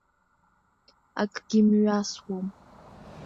Акгьы мҩасуам.